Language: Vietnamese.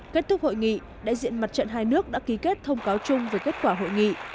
kết thúc hội nghị đại diện mặt trận hai nước đã ký kết thông cáo chung về kết quả hội nghị